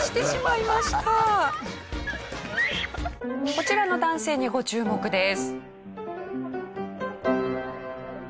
こちらの男性にご注目です。